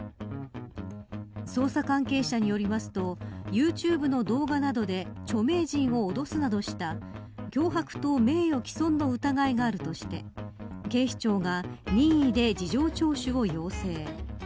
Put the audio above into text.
捜査関係者によりますとユーチューブの動画などで著名人を脅すなどした脅迫と名誉毀損の疑いがあるとして警視庁が任意で事情聴取を要請。